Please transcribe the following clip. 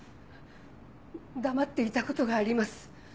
黙っていた事があります。